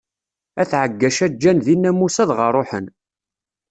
At Ɛaggaca ǧǧan dinna Musa dɣa ṛuḥen.